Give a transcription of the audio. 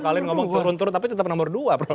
kalian ngomong turun turun tapi tetap nomor dua prof